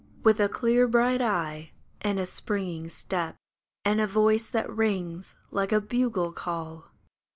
With a clear, bright eye, and a springing step, And a voice that rings like a bugle call